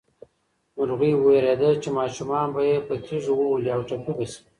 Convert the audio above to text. مرغۍ وېرېده چې ماشومان به یې په تیږو وولي او ټپي به شي.